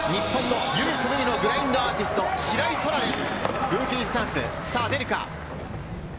唯一無二のグラインドアーティスト、白井空良です。